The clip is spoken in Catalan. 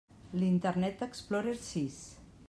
L'Internet Explorer sis.